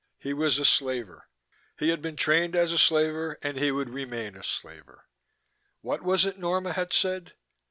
He was a slaver, he had been trained as a slaver, and he would remain a slaver. What was it Norma had said?